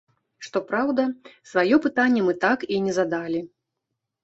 Што праўда, сваё пытанне мы так і не задалі.